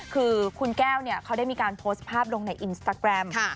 คือคุณแก้วเขาได้มีการโพสต์ภาพลงในอินสตาแกรม